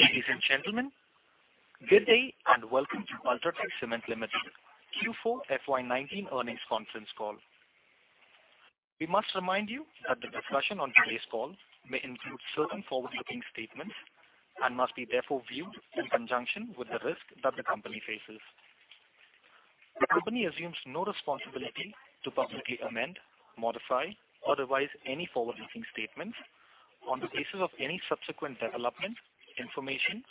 Ladies and gentlemen, good day, and welcome to UltraTech Cement Limited Q4 FY 2019 earnings conference call. We must remind you that the discussion on today's call may include certain forward-looking statements and must be therefore viewed in conjunction with the risk that the company faces. The company assumes no responsibility to publicly amend, modify, or revise any forward-looking statements on the basis of any subsequent development, information,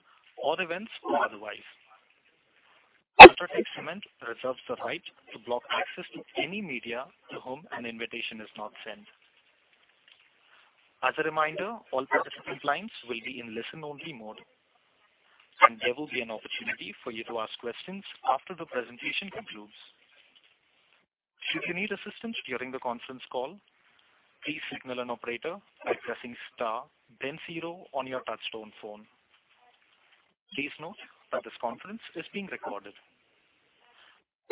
or events, or otherwise. UltraTech Cement reserves the right to block access to any media to whom an invitation is not sent. As a reminder, all participant lines will be in listen-only mode. There will be an opportunity for you to ask questions after the presentation concludes. Should you need assistance during the conference call, please signal an operator by pressing star then zero on your touchtone phone. Please note that this conference is being recorded.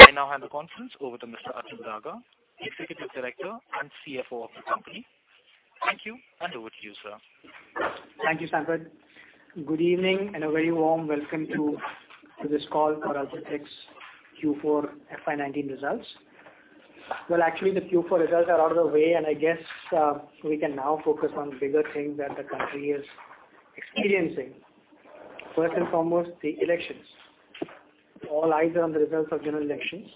I now hand the conference over to Mr. Atul Daga, Executive Director and CFO of the company. Thank you. Over to you, sir. Thank you, Sanford. Good evening. A very warm welcome to this call for UltraTech's Q4 FY 2019 results. Well, actually, the Q4 results are out of the way. I guess we can now focus on bigger things that the country is experiencing. First and foremost, the elections. All eyes are on the results of general elections,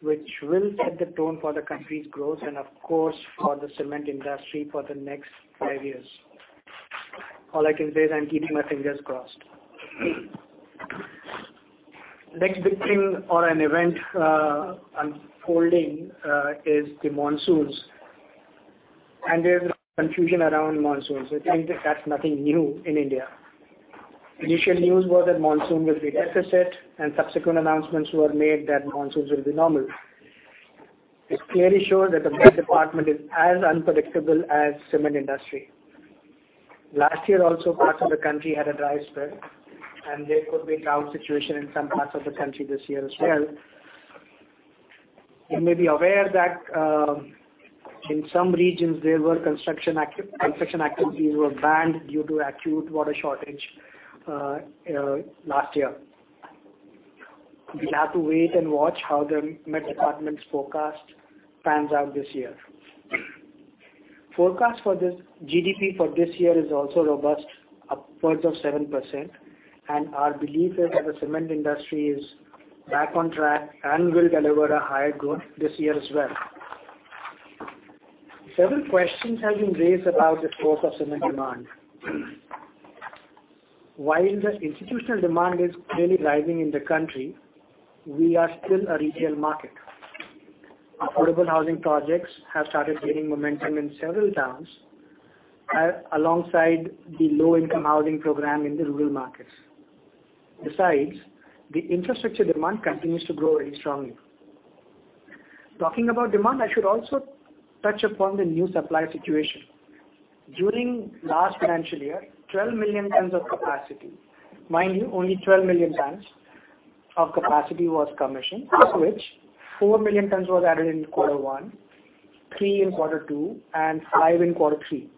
which will set the tone for the country's growth and, of course, for the cement industry for the next five years. All I can say is I'm keeping my fingers crossed. Next big thing or an event unfolding is the monsoons. There's confusion around monsoons. I think that's nothing new in India. Initial news was that monsoon will be deficit. Subsequent announcements were made that monsoons will be normal. It clearly shows that the weather department is as unpredictable as cement industry. Last year also parts of the country had a dry spell. There could be a drought situation in some parts of the country this year as well. You may be aware that in some regions construction activities were banned due to acute water shortage last year. We'll have to wait and watch how the met department's forecast pans out this year. Forecast for this GDP for this year is also robust, upwards of 7%. Our belief is that the cement industry is back on track and will deliver a higher growth this year as well. Several questions have been raised about the growth of cement demand. While the institutional demand is clearly rising in the country, we are still a retail market. Affordable housing projects have started gaining momentum in several towns, alongside the low-income housing program in the rural markets. The infrastructure demand continues to grow very strongly. Talking about demand, I should also touch upon the new supply situation. During last financial year, 12 million tons of capacity, mind you, only 12 million tons of capacity was commissioned. Of which 4 million tons was added in quarter one, 3 in quarter two, and 5 in quarter three.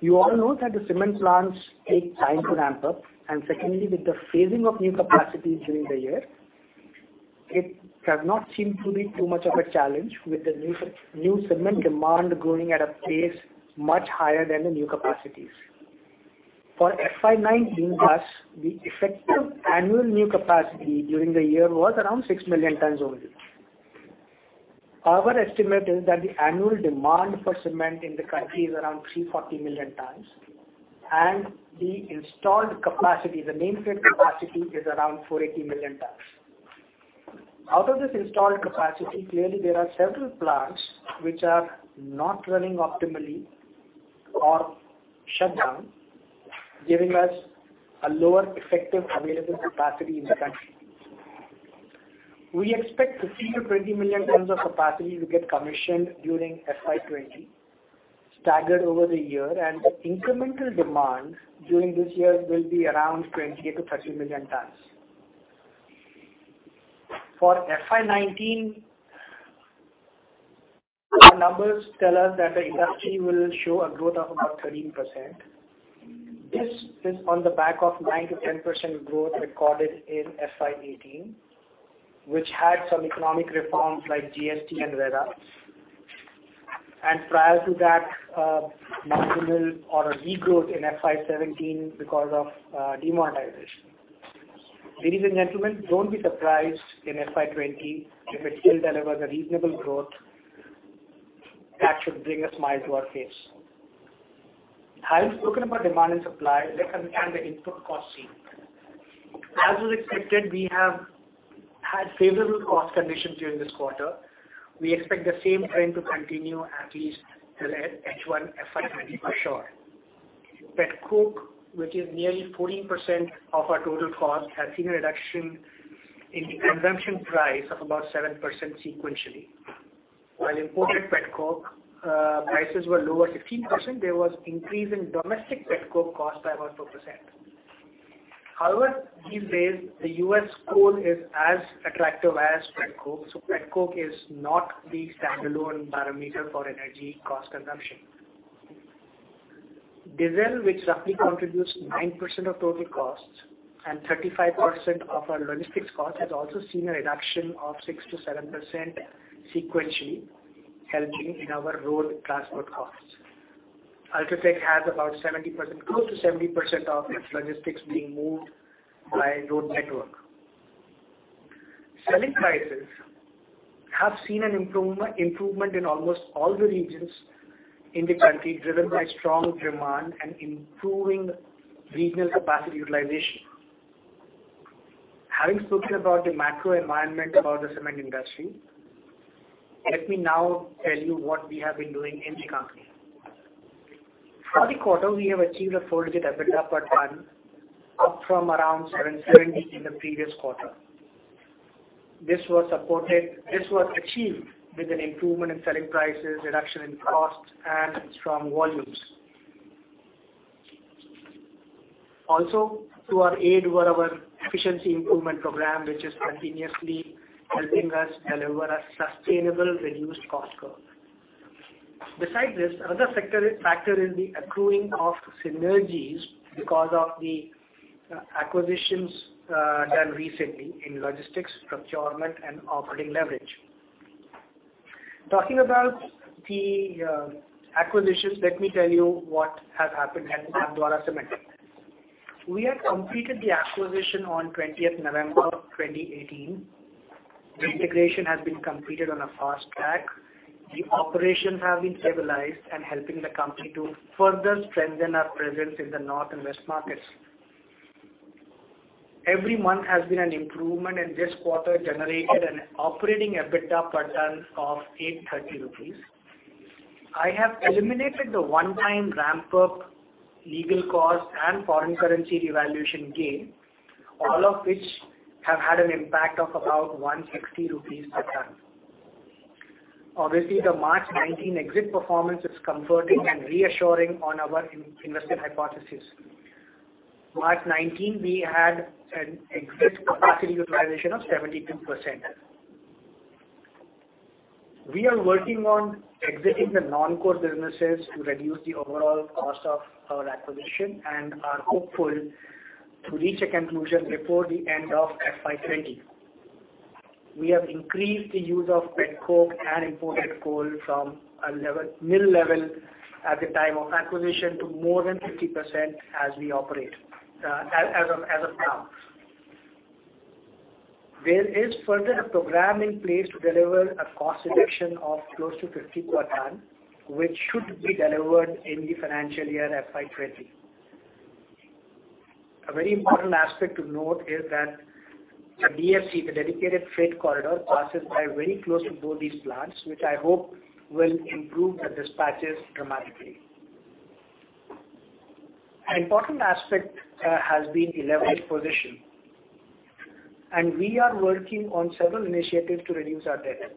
You all know that the cement plants take time to ramp up, and secondly, with the phasing of new capacities during the year, it has not seemed to be too much of a challenge with the new cement demand growing at a pace much higher than the new capacities. For FY 2019 thus, the effective annual new capacity during the year was around 6 million tons only. Our estimate is that the annual demand for cement in the country is around 340 million tons. The installed capacity, the main state capacity, is around 480 million tons. Out of this installed capacity, clearly there are several plants which are not running optimally or shut down, giving us a lower effective available capacity in the country. We expect 15-20 million tons of capacity to get commissioned during FY 2020, staggered over the year. The incremental demand during this year will be around 20-30 million tons. For FY 2019, our numbers tell us that the industry will show a growth of about 13%. This is on the back of 9%-10% growth recorded in FY 2018, which had some economic reforms like GST and RERA. Prior to that, marginal or a regrowth in FY 2017 because of demonetization. Ladies and gentlemen, don't be surprised in FY 2020 if it still delivers a reasonable growth that should bring a smile to our face. Having spoken about demand and supply, let come the input cost scene. As was expected, we have had favorable cost conditions during this quarter. We expect the same trend to continue at least till H1 FY 2020 for sure. Pet coke, which is nearly 14% of our total cost, has seen a reduction in the consumption price of about 7% sequentially. While imported pet coke prices were lower 15%, there was increase in domestic pet coke cost by about 4%. However, these days, the U.S. coal is as attractive as pet coke. Pet coke is not the standalone parameter for energy cost consumption. Diesel, which roughly contributes 9% of total costs and 35% of our logistics cost, has also seen a reduction of 6%-7% sequentially, helping in our road transport costs. UltraTech has about close to 70% of its logistics being moved by road network. Selling prices have seen an improvement in almost all the regions in the country, driven by strong demand and improving regional capacity utilization. Having spoken about the macro environment about the cement industry, let me now tell you what we have been doing in the company. For the quarter, we have achieved a four-digit EBITDA per ton, up from around 770 in the previous quarter. This was achieved with an improvement in selling prices, reduction in costs, and strong volumes. Also, to our aid were our efficiency improvement program, which is continuously helping us deliver a sustainable reduced cost curve. Besides this, another factor is the accruing of synergies because of the acquisitions done recently in logistics, procurement, and operating leverage. Talking about the acquisitions, let me tell you what has happened at Nathdwara Cement. We had completed the acquisition on 20th November 2018. The integration has been completed on a fast track. The operations have been stabilized and helping the company to further strengthen our presence in the north and west markets. Every month has been an improvement, and this quarter generated an operating EBITDA per ton of 830 rupees. I have eliminated the one-time ramp-up, legal costs, and foreign currency devaluation gain, all of which have had an impact of about 160 rupees per ton. Obviously, the March 2019 exit performance is comforting and reassuring on our invested hypothesis. March 2019, we had an exit capacity utilization of 72%. We are working on exiting the non-core businesses to reduce the overall cost of our acquisition and are hopeful to reach a conclusion before the end of FY 2020. We have increased the use of pet coke and imported coal from a middle level at the time of acquisition to more than 50% as we operate, as of now. There is further a program in place to deliver a cost reduction of close to 50 per ton, which should be delivered in the financial year FY 2020. A very important aspect to note is that the DFC, the Dedicated Freight Corridor, passes by very close to both these plants, which I hope will improve the dispatches dramatically. An important aspect has been the leverage position, and we are working on several initiatives to reduce our debt.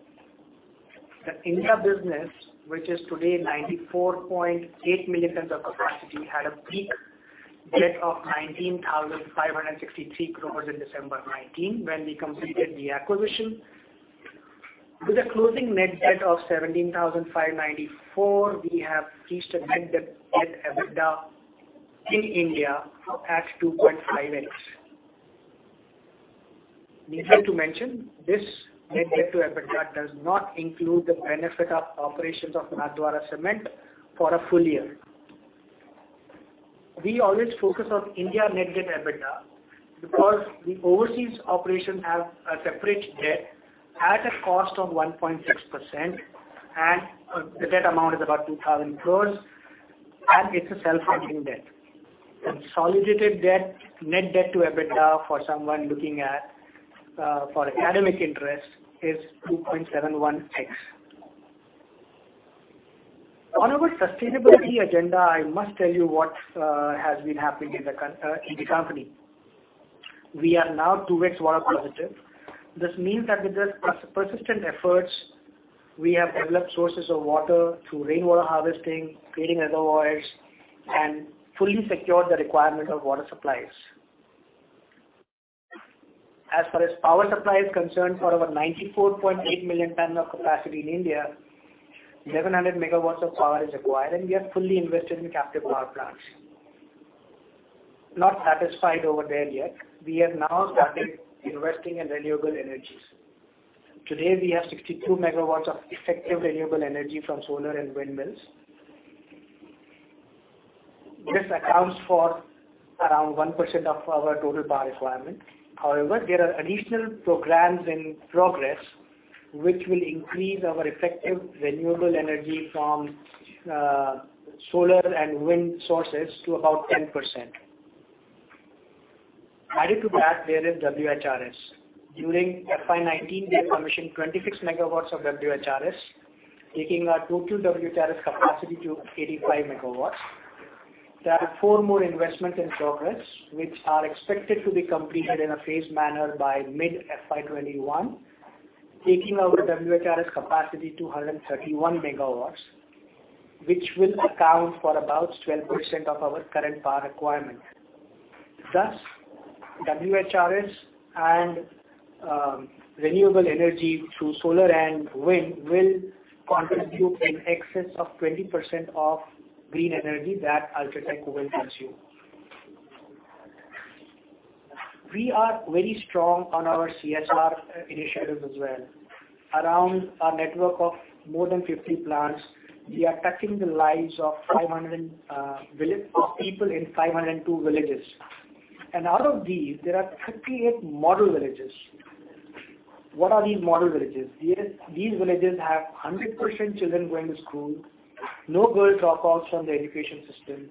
The India business, which is today 94.8 million tons of capacity, had a peak debt of 19,563 crores in December 2019, when we completed the acquisition. With a closing net debt of 17,594, we have reached a net debt to EBITDA in India at 2.5x. Needless to mention, this net debt to EBITDA does not include the benefit of operations of Nathdwara Cement for a full year. We always focus on India net debt EBITDA because the overseas operations have a separate debt at a cost of 1.6%, and the debt amount is about 2,000 crores, and it's a self-funding debt. Consolidated debt, net debt to EBITDA for someone looking at for academic interest, is 2.71x. On our sustainability agenda, I must tell you what has been happening in the company. We are now 2x water positive. This means that with the persistent efforts, we have developed sources of water through rainwater harvesting, creating reservoirs, and fully secured the requirement of water supplies. As far as power supply is concerned, for our 94.8 million tons of capacity in India, 1,100 megawatts of power is acquired, and we have fully invested in captive power plants. Not satisfied over there yet. We have now started investing in renewable energies. Today, we have 62 megawatts of effective renewable energy from solar and windmills. This accounts for around 1% of our total power requirement. However, there are additional programs in progress which will increase our effective renewable energy from solar and wind sources to about 10%. Added to that, there is WHRS. During FY 2019, we commissioned 26 megawatts of WHRS, taking our total WHRS capacity to 85 megawatts. There are four more investments in progress, which are expected to be completed in a phased manner by mid FY 2021, taking our WHRS capacity to 131 MW. Which will account for about 12% of our current power requirement. Thus, WHRS and renewable energy through solar and wind will contribute in excess of 20% of green energy that UltraTech will consume. We are very strong on our CSR initiatives as well. Around our network of more than 50 plants, we are touching the lives of people in 502 villages. Out of these, there are 58 model villages. What are these model villages? These villages have 100% children going to school, no girl dropouts from the education system,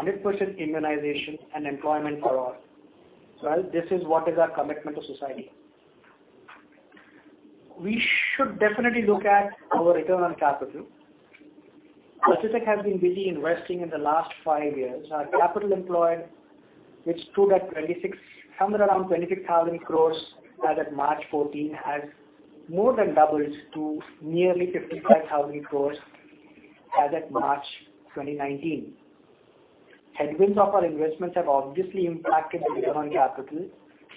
100% immunization, and employment for all. This is what is our commitment to society. We should definitely look at our return on capital. UltraTech has been busy investing in the last five years. Our capital employed, which stood at somewhere around 25,000 crores as of March 2014, has more than doubled to nearly 55,000 crores as at March 2019. Headwinds of our investments have obviously impacted the return on capital,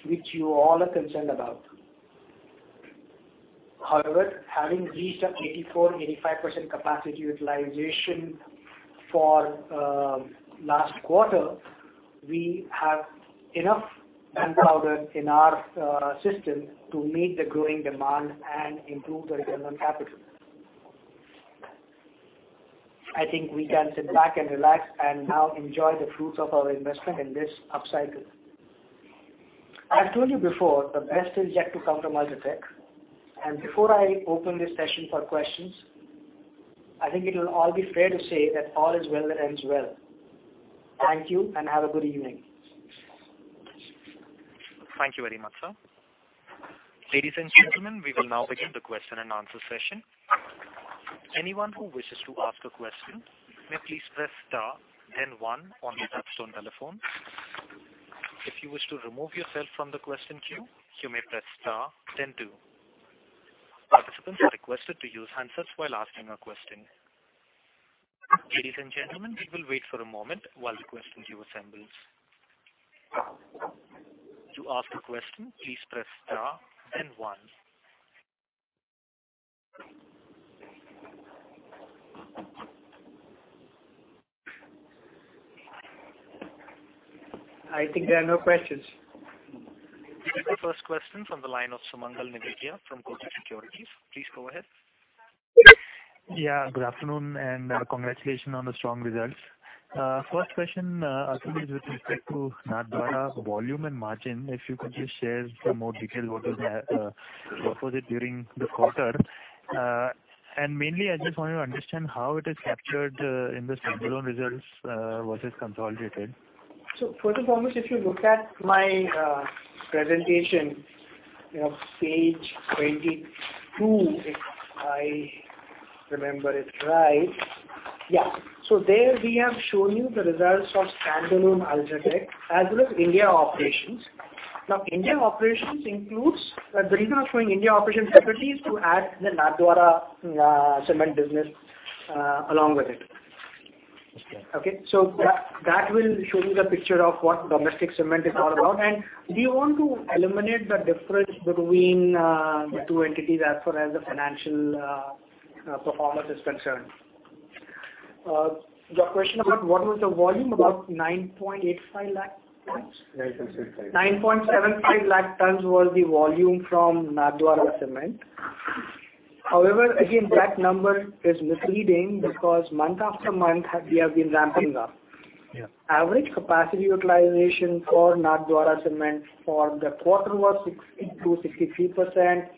which you all are concerned about. However, having reached an 84%-85% capacity utilization for last quarter, we have enough gunpowder in our system to meet the growing demand and improve the return on capital. I think we can sit back and relax and now enjoy the fruits of our investment in this upcycle. I've told you before, the best is yet to come from UltraTech. Before I open this session for questions, I think it will all be fair to say that all is well that ends well. Thank you and have a good evening. Thank you very much, sir. Ladies and gentlemen, we will now begin the question and answer session. Anyone who wishes to ask a question may please press star then one on your touchtone telephone. If you wish to remove yourself from the question queue, you may press star then two. Participants are requested to use handsets while asking a question. Ladies and gentlemen, we will wait for a moment while the question queue assembles. To ask a question, please press star and one. I think there are no questions. We have the first question from the line of Sumangal Negi from Kotak Securities. Please go ahead. Yeah. Good afternoon and congratulations on the strong results. First question, actually is with respect to Nathdwara volume and margin. If you could just share some more details what was it during the quarter? Mainly, I just want to understand how it is captured in the standalone results versus consolidated. First and foremost, if you look at my presentation, page 22, if I remember it right. Yeah. There we have shown you the results of standalone UltraTech as well as India operations. India operations includes, the reason I was showing India operations separately is to add the Nathdwara Cement business along with it. Understood. Okay? That will show you the picture of what domestic cement is all about, and we want to eliminate the difference between the two entities as far as the financial performance is concerned. Your question about what was the volume, about 9.85 lakh tons? 9.75. 975,000 tons was the volume from Nathdwara Cement. Again, that number is misleading because month after month we have been ramping up. Yeah. Average capacity utilization for Nathdwara Cement for the quarter was 62%, 63%,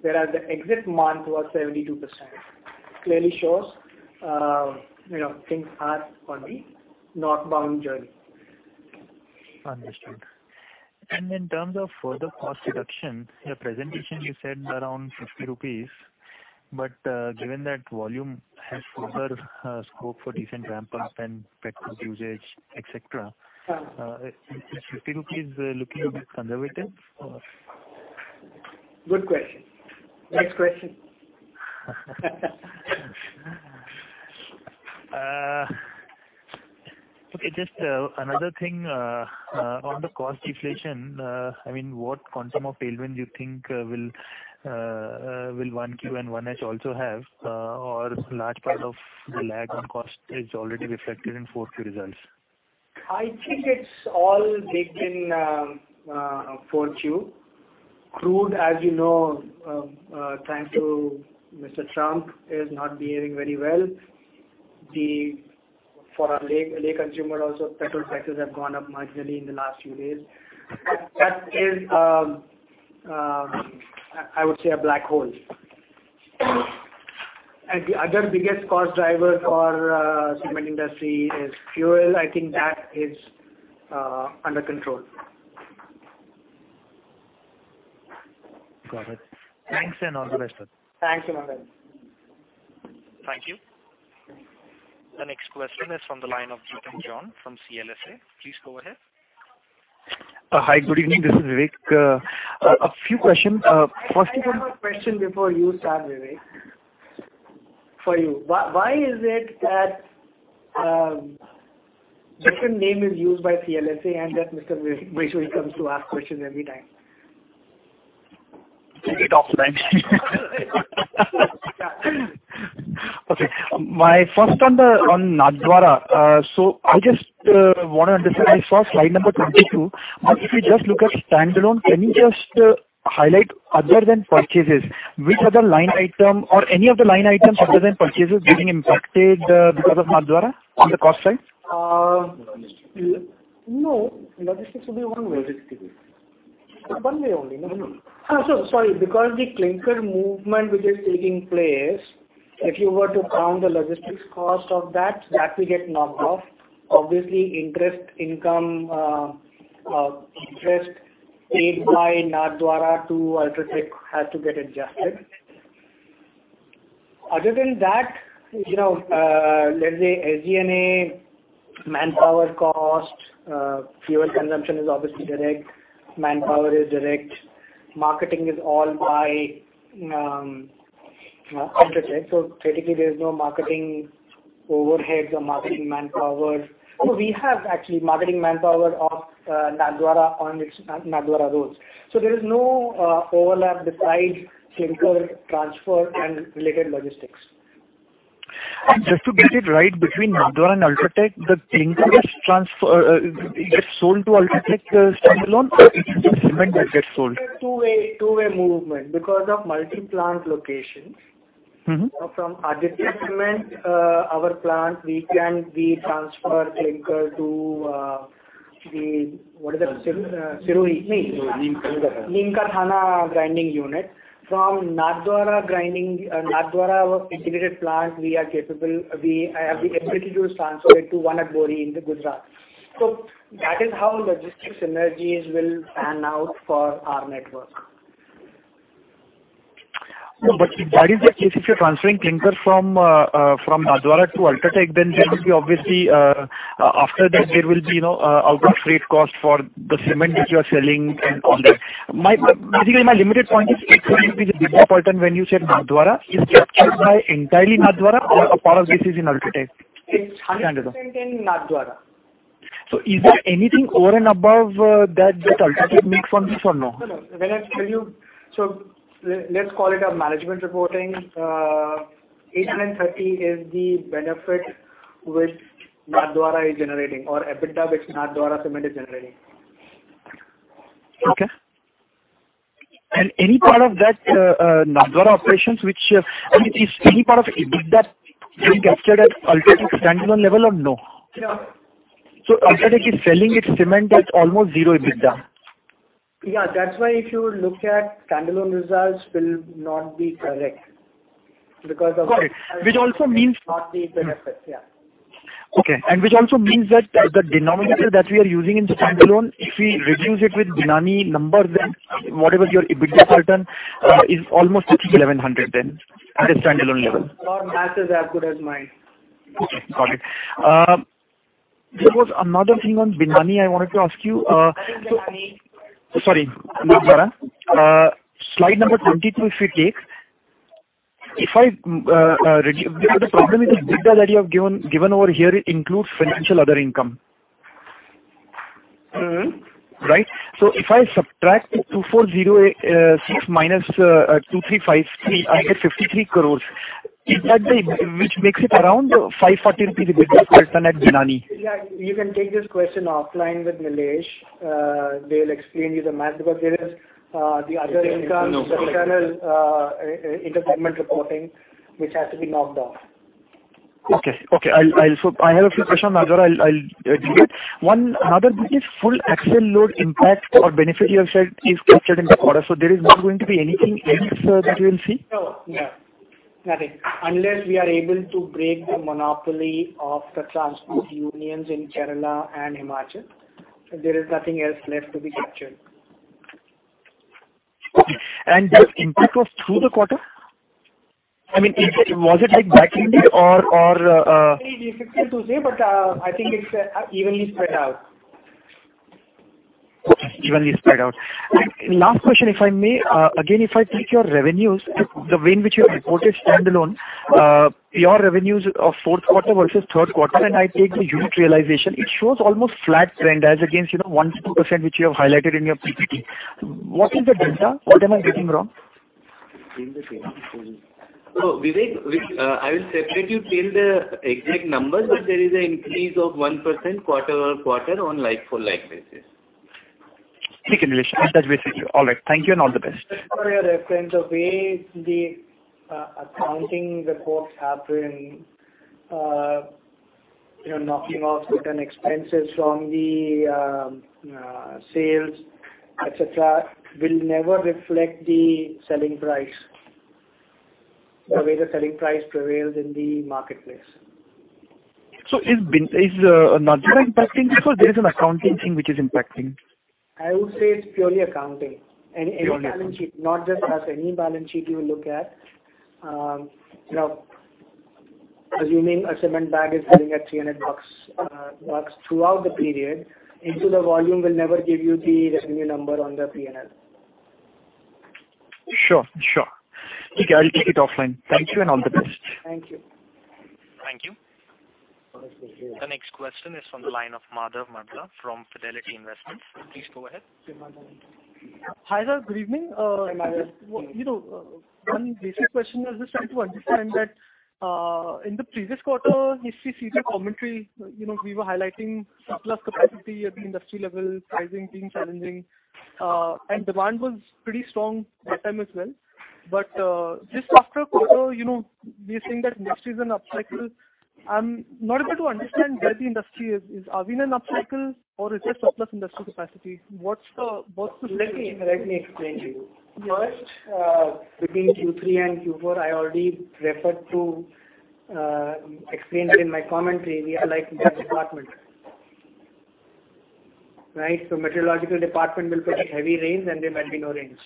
whereas the exit month was 72%. Clearly shows things are on the northbound journey. Understood. In terms of further cost reduction, in your presentation you said around 50 rupees, but given that volume has further scope for decent ramp-ups and pet coke usage, et cetera, is 50 rupees looking a bit conservative? Good question. Next question. Okay, just another thing, on the cost inflation, what quantum of tailwind do you think will 1Q and 1H also have, or large part of the lag on cost is already reflected in 4Q results? I think it's all baked in 4Q. Crude, as you know, thanks to Mr. Trump, is not behaving very well. For our lay consumer also, petrol prices have gone up marginally in the last few days. That is, I would say, a black hole. The other biggest cost driver for cement industry is fuel. I think that is under control. Got it. Thanks and all the best, sir. Thanks a lot. Thank you. The next question is from the line of Vivek from CLSA. Please go ahead. Hi, good evening. This is Vivek. A few questions. I have a question before you start, Vivek. For you. Why is it that different name is used by CLSA and that Mr. Vaishnavi comes to ask questions every time? Take it offline. Okay. My first on the Nathdwara. I just want to understand, I saw slide number 22. If you just look at standalone, can you just highlight other than purchases, which other line item or any of the line items other than purchases being impacted because of Nathdwara on the cost side? No. Logistics will be one way. One way only. Sorry, because the clinker movement which is taking place, if you were to count the logistics cost of that will get knocked off. Obviously, interest income, interest paid by Nathdwara to UltraTech has to get adjusted. Other than that, let's say SG&A, manpower cost, fuel consumption is obviously direct. Manpower is direct. Marketing is all by UltraTech. Theoretically, there's no marketing overheads or marketing manpower. No, we have actually marketing manpower of Nathdwara on its Nathdwara roads. There is no overlap besides clinker transfer and related logistics. Just to get it right between Nathdwara and UltraTech, the clinker gets sold to UltraTech standalone or it is the cement that gets sold? It's two-way movement because of multi-plant locations. From Aditya Cement, our plant, we transfer clinker to the What is that? Sirohi. Sirohi? No. Neem Ka Thana. Neem Ka Thana grinding unit. From Nathdwara grinding, Nathdwara our affiliated plant, we have the ability to transfer it to Wanakbori in the Gujarat. That is how logistics synergies will pan out for our network. If that is the case, if you're transferring clinker from Nathdwara to UltraTech, then there will be obviously after that there will be outward freight cost for the cement which you are selling and all that. Basically, my limited point is, INR 830 million when you said Nathdwara, is that captured by entirely Nathdwara or a part of this is in UltraTech? Standalone. It's 100% in Nathdwara. Is there anything over and above that UltraTech makes from this or no? No, no. Let's call it a management reporting. 830 is the benefit which Nathdwara is generating, or EBITDA which Nathdwara Cement is generating. Okay. Any part of that Nathdwara operations, is any part of EBITDA being captured at UltraTech standalone level or no? No. UltraTech is selling its cement at almost zero EBITDA. Yeah. That's why if you look at standalone results will not be correct because of. Got it. not the benefit, yeah. Okay. Which also means that the denominator that we are using in standalone, if we reduce it with Binani number, then whatever your EBITDA return is almost 6,100 at a standalone level. Your math is as good as mine. Okay, got it. There was another thing on Binani I wanted to ask you. Sorry, Binani. Sorry, Nathdwara. Slide number 22, if we take. The problem is the EBITDA that you have given over here includes financial other income. Right. If I subtract 2,406 minus 2,353, I get 53 crores. Which makes it around 540 rupees EBITDA margin at Binani. Yeah, you can take this question offline with Nilesh. They'll explain you the math because there is the other income, the channel inter-department reporting which has to be knocked off. Okay. I have a few questions on Nathdwara I'll read later. One other bit is full axle load impact or benefit you have said is captured in the quarter, so there is not going to be anything else that we will see? No. Nothing. Unless we are able to break the monopoly of the transport unions in Kerala and Himachal. There is nothing else left to be captured. Okay. This impact was through the quarter? I mean, was it like back ended or? It's difficult to say, but I think it's evenly spread out. Okay, evenly spread out. Last question, if I may. Again, if I take your revenues, the way in which you have reported standalone, your revenues of fourth quarter versus third quarter, and I take the unit realization, it shows almost flat trend as against 1%-2%, which you have highlighted in your PPT. What is the delta? What am I getting wrong? Same to same. Vivek, I will separately fill the exact numbers, but there is an increase of 1% quarter-over-quarter on like-for-like basis. Thank you, Nilesh. That's very clear. All right. Thank you and all the best. For your reference, the way the accounting reports happen, knocking off certain expenses from the sales, et cetera, will never reflect the selling price. Okay. The way the selling price prevails in the marketplace. Is Nathdwara impacting this or there is an accounting thing which is impacting? I would say it's purely accounting. Any balance sheet, not just us, any balance sheet you look at. Assuming a cement bag is selling at INR 300 throughout the period, into the volume will never give you the revenue number on the P&L. Sure. Okay, I'll take it offline. Thank you and all the best. Thank you. Thank you. The next question is from the line of Madhav Marda from Fidelity Investments. Please go ahead. Hi there. Good evening. Hi, Madhav. Good evening. One basic question. I was just trying to understand that in the previous quarter, we see seasoned commentary. We were highlighting surplus capacity at the industry level, pricing being challenging, and demand was pretty strong that time as well. Just after a quarter, we are seeing that next is an up cycle. I am not able to understand where the industry is. Are we in an up cycle or is it surplus industrial capacity? What's the? Let me explain to you. First, between Q3 and Q4, I already referred to, explained in my commentary, we are like the weather department. Meteorological department will predict heavy rains, and there might be no rains.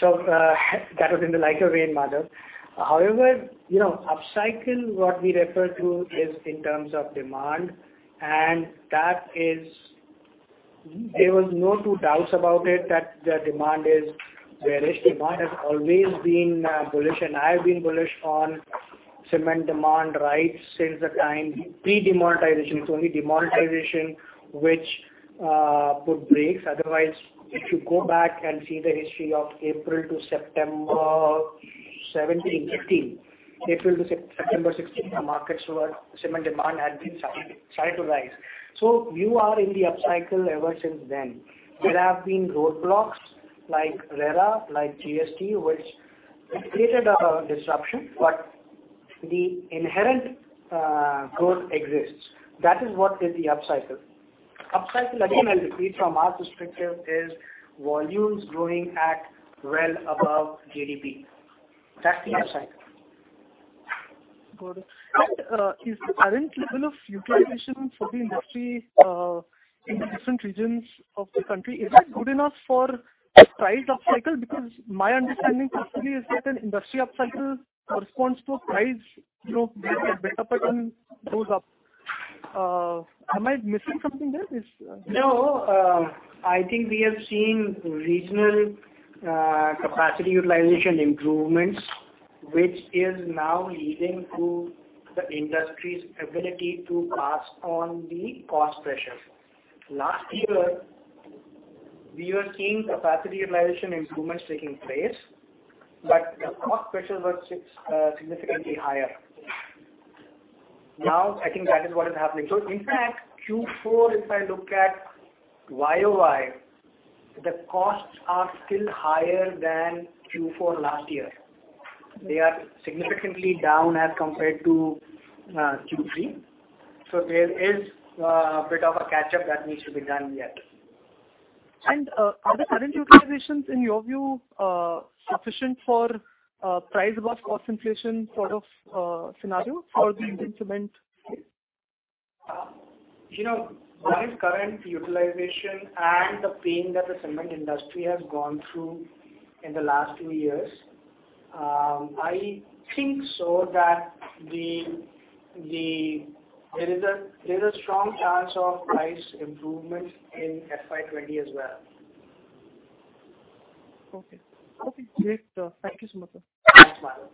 That was in the lighter vein, Madhav. However, up cycle, what we refer to is in terms of demand, there was no two doubts about it that the demand has always been bullish. I have been bullish on cement demand right since the time pre-demonetization. It is only demonetization which put brakes. Otherwise, if you go back and see the history of April to September 2015, April to September 2016, our markets were, cement demand had been starting to rise. You are in the up cycle ever since then. There have been roadblocks like RERA, like GST, which created a disruption. The inherent growth exists. That is what is the up cycle. Up cycle again, I will repeat from our perspective, is volumes growing at well above GDP. That is the up cycle. Got it. Is the current level of utilization for the industry, in the different regions of the country, is that good enough for a price up cycle? Because my understanding personally is that an industry up cycle corresponds to a price, basically a beta pattern goes up. Am I missing something there? No. I think we have seen regional capacity utilization improvements, which is now leading to the industry's ability to pass on the cost pressure. Last year, we were seeing capacity utilization improvements taking place, but the cost pressure was significantly higher. Now, I think that is what is happening. In fact, Q4, if I look at year-over-year, the costs are still higher than Q4 last year. They are significantly down as compared to Q3. There is a bit of a catch-up that needs to be done yet. Are the current utilizations, in your view, sufficient for a price above cost inflation sort of scenario for the cement? Given current utilization and the pain that the cement industry has gone through in the last two years, I think so that there's a strong chance of price improvement in FY 2020 as well. Okay. Great. Thank you so much. Thanks, Madhav.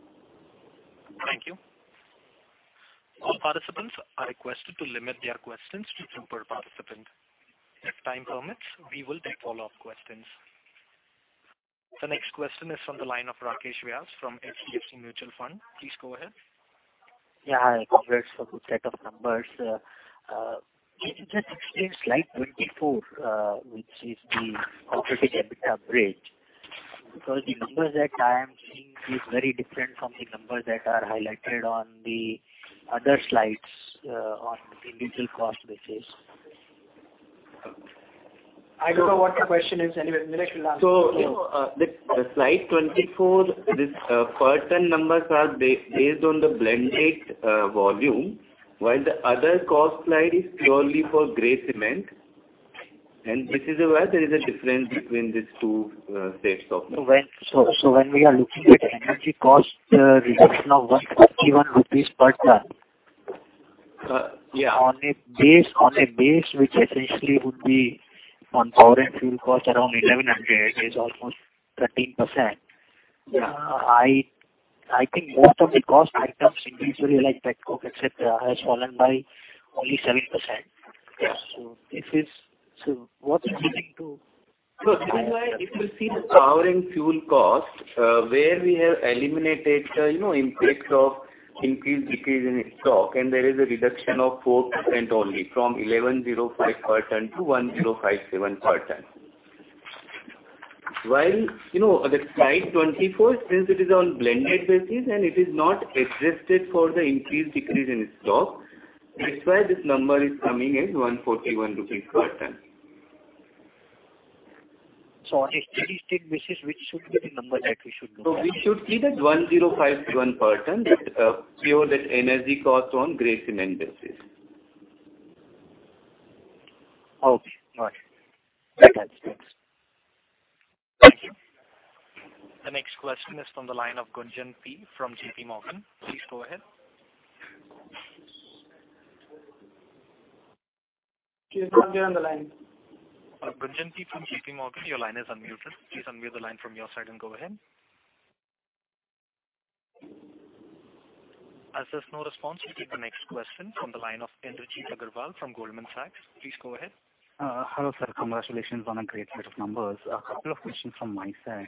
Thank you. All participants are requested to limit their questions to two per participant. If time permits, we will take follow-up questions. The next question is from the line of Rakesh Vyas from HDFC Mutual Fund. Please go ahead. Hi. Congrats for good set of numbers. Can you just explain slide 24, which is the operating EBITDA bridge? The numbers that I am seeing is very different from the numbers that are highlighted on the other slides, on individual cost basis. I don't know what the question is. Nikhil will answer. The slide 24, this per ton numbers are based on the blended volume, while the other cost slide is purely for gray cement, and this is why there is a difference between these two sets of numbers. When we are looking at energy cost reduction of 141 rupees per ton. Yes. On a base which essentially would be on power and fuel cost around 1,100 is almost 13%. Yes. I think most of the cost items individually like pet coke, et cetera, has fallen by only 7%. Yes. What is leading to- This is why if you see the power and fuel cost, where we have eliminated impacts of increased decrease in stock, and there is a reduction of 4% only from 1,105 per ton to 1,057 per ton. While the slide 24, since it is on blended basis and it is not adjusted for the increased decrease in stock. That is why this number is coming as 141 rupees per ton. On a static basis, which should be the number that we should look at? We should see that 1,051 per ton. That is pure that energy cost on gray cement basis. Okay. Got it. Right. The next question is from the line of Gunjan Prithyani from JP Morgan. Please go ahead. She is not here on the line. Gunjan Prithyani from JP Morgan, your line is unmuted. Please unmute the line from your side and go ahead. As there's no response, we'll take the next question from the line of Indrajeet Agarwal from Goldman Sachs. Please go ahead. Hello, sir. Congratulations on a great set of numbers. A couple of questions from my side.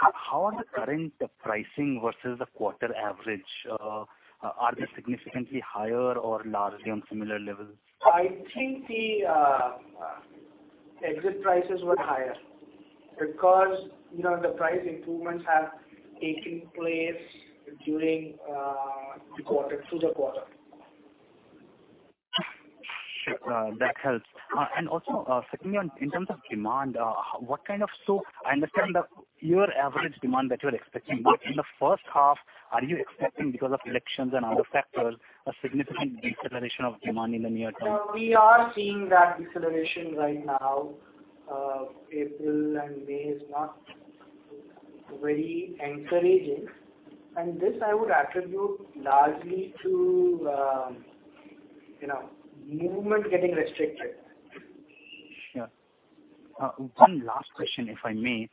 How are the current pricing versus the quarter average? Are they significantly higher or largely on similar levels? I think the exit prices were higher because the price improvements have taken place through the quarter. Sure. That helps. Also, secondly, in terms of demand, I understand the year average demand that you are expecting, in the first half, are you expecting, because of elections and other factors, a significant deceleration of demand in the near term? We are seeing that deceleration right now. April and May is not very encouraging, this I would attribute largely to movement getting restricted. Sure. One last question, if I may.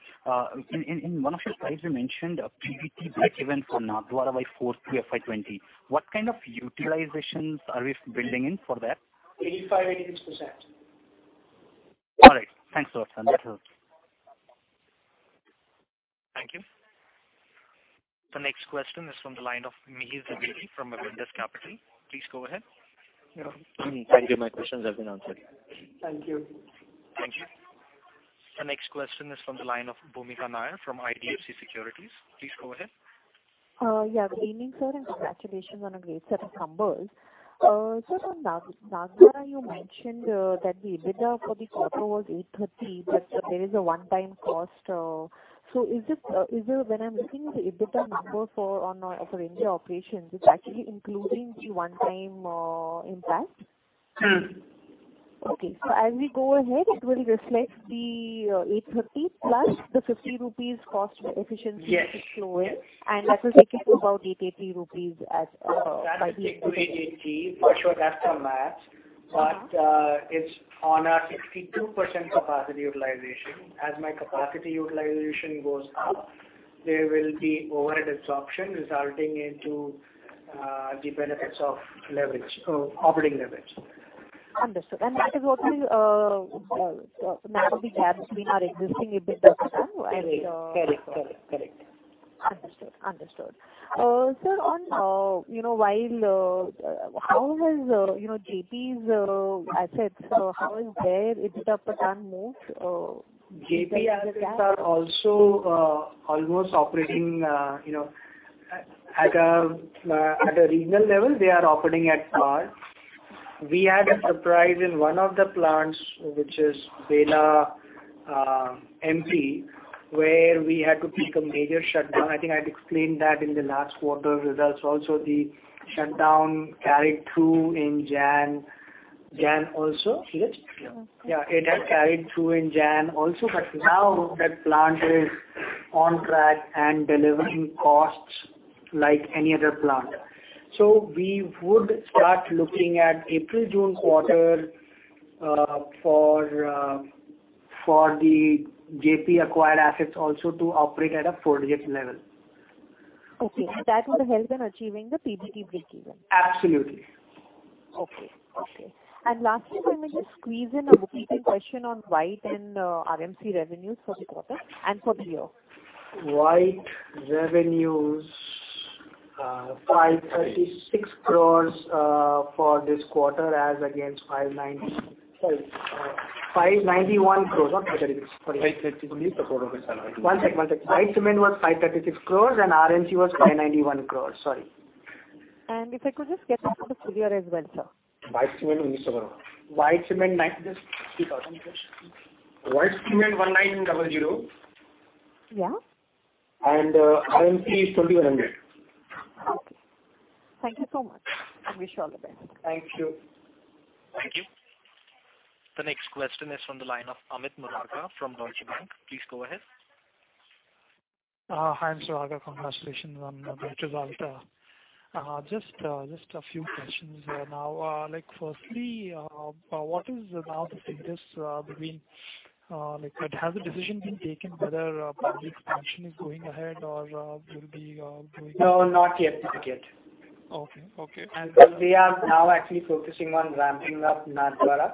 In one of your slides, you mentioned a PBT breakeven for Nagda by fourth FY 2020. What kind of utilizations are we building in for that? 85%-86%. All right. Thanks a lot, sir. That helps. Thank you. The next question is from the line of Mihir Zaveri from Avendus Capital. Please go ahead. Thank you. My questions have been answered. Thank you. Thank you. The next question is from the line of Bhumika Nair from IDFC Securities. Please go ahead. Yeah. Good evening, sir. Congratulations on a great set of numbers. Sir, from Nagda, you mentioned that the EBITDA for the quarter was 830. There is a one time cost. When I'm looking at the EBITDA number for our range of operations, it's actually including the one time impact? Okay. As we go ahead, it will reflect the 830 plus the 50 rupees cost efficiency. Yes to flow in, and that will take it to about 880 rupees as. That will take to 880, for sure. That's the math. It's on our 62% capacity utilization. As my capacity utilization goes up, there will be overhead absorption resulting into the benefits of operating leverage. Understood. That will be gaps in our existing EBITDA, too? Correct. Understood. Sir, how has JP's assets, how has their EBITDA per ton moved? JP assets are also almost operating. At a regional level, they are operating at par. We had a surprise in one of the plants, which is Bela, MP, where we had to take a major shutdown. I think I'd explained that in the last quarter results also. The shutdown carried through in January also. Is it? Yeah. Yeah. It had carried through in January also, now that plant is on track and delivering costs like any other plant. We would start looking at April, June quarter for the JP acquired assets also to operate at a four-digit level. Okay. That will help in achieving the PBT breakeven? Absolutely. Okay. Lastly, if I may just squeeze in a quickie question on White and RMC revenues for the quarter and for the year. White revenues, 536 crores for this quarter as against 591 crores. What were the numbers? Sorry. 536 crores. One sec. White cement was 536 crores and RMC was 591 crores. Sorry. If I could just get that for the full year as well, sir. White cement INR 1,900. White cement 1,900. Yeah. RMC is 2,100. Okay. Thank you so much. I wish you all the best. Thank you. Thank you. The next question is from the line of Ankit Murarka from Deutsche Bank. Please go ahead. Hi, Mr. Agarwal. Congratulations on the great result. Just a few questions now. Firstly, what is now the status between, has the decision been taken whether project expansion is going ahead or will be going- No, not yet decided. Okay. We are now actually focusing on ramping up Nagda.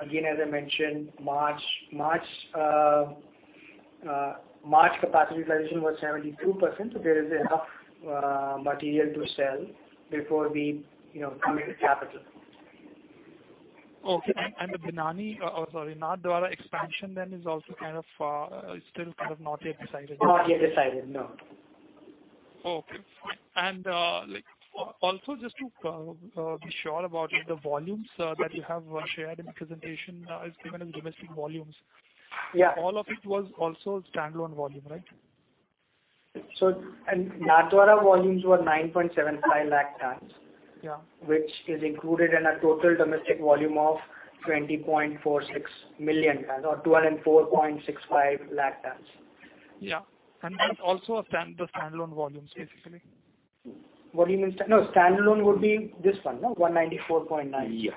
Again, as I mentioned, March capacity utilization was 72%, so there is enough material to sell before we commit the capital. Okay. The Nagda expansion then is also still not yet decided? Not yet decided, no. Okay, fine. Also just to be sure about the volumes that you have shared in the presentation. It's given as domestic volumes. Yeah. All of it was also standalone volume, right? Nathdwara volumes were 9.75 lakh tonnes. Yeah. Which is included in our total domestic volume of 20.46 million tonnes or 204.65 lakh tonnes. Yeah. That's also the standalone volumes, basically? What do you mean? No, standalone would be this one, 194.9. Yeah.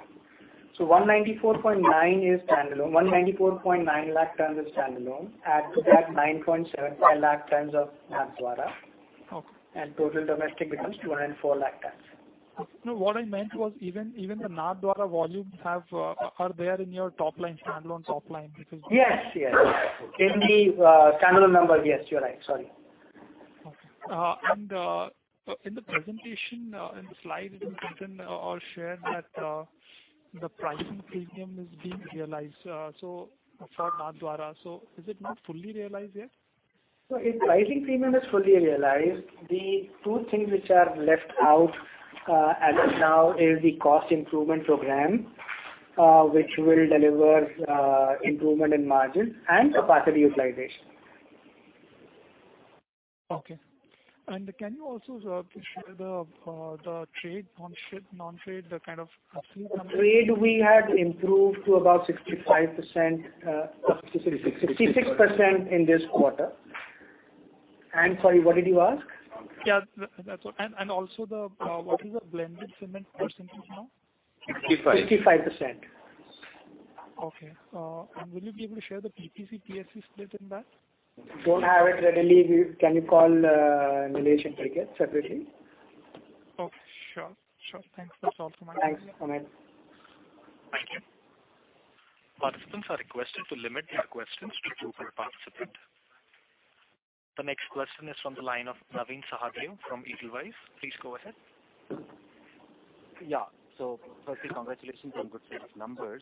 194.9 is standalone. 194.9 lakh tonnes is standalone. Add to that 9.75 lakh tonnes of Nathdwara. Okay. Total domestic becomes 204 lakh tonnes. No, what I meant was even the Nathdwara volumes are there in your top line, standalone top line. Yes. In the standalone numbers. Yes, you're right. Sorry. Okay. In the presentation, in the slides, it was written or shared that the pricing premium is being realized for Nathdwara. Is it not fully realized yet? Its pricing premium is fully realized. The two things which are left out as of now is the cost improvement program, which will deliver improvement in margin and capacity utilization. Okay. Can you also share the trade, non-trade? Trade we had improved to about 65%, 66% in this quarter. Sorry, what did you ask? Yeah, that's all. Also what is the blended cement percentage now? 65. 55%. Okay. Will you be able to share the PPC PSC split in that? Don't have it readily. Can you call Nilesh and Prajit separately? Okay, sure. Thanks. That's all from my end. Thanks, Ankiit. Thank you. Participants are requested to limit their questions to two per participant. The next question is from the line of Naveen Sahadevan from Edelweiss. Please go ahead. Yeah. Firstly, congratulations on good set of numbers.